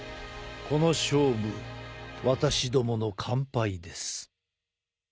この勝負私どもの完敗です。